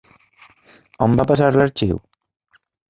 On va passar l'arxiu?